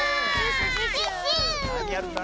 なにやるんだ？